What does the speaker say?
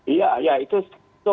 iya iya itu untuk